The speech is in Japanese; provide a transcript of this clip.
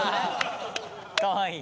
かわいい。